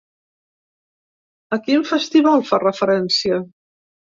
A quin festival fa referència?